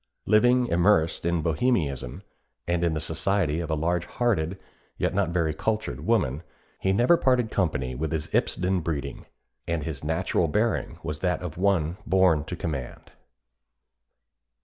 Living immersed in Bohemianism, and in the society of a large hearted, yet not very cultured woman, he never parted company with his Ipsden breeding, and his natural bearing was that of one born to command."